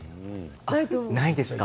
ないですか。